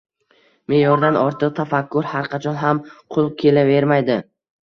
Me’yoridan ortiq tafakkur har qachon ham qo‘l kelavermaydi.